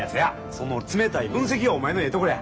その冷たい分析がお前のええところや。